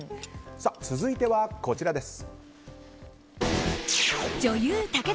続いては、こちらです。